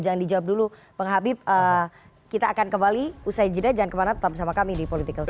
jangan dijawab dulu penghabib kita akan kembali usai jeda jangan kemana tetap bersama kami di political sho